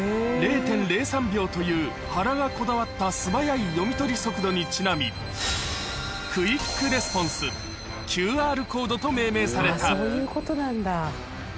０．０３秒という、原がこだわった素早い読み取り速度にちなみ、クイック・レスポンス、ＱＲコードと命名された。